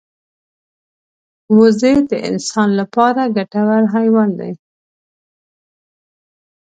وزې د انسان لپاره ګټور حیوان دی